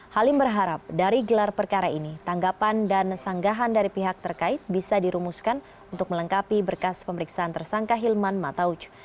halim berharap dari gelar perkara ini tanggapan dan sanggahan dari pihak terkait bisa dirumuskan untuk melengkapi berkas pemeriksaan tersangka hilman matauc